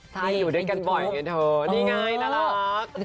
ใช่อยู่ด้วยกันบ่อยอย่างงี้เถอะนี่ไงนะรัก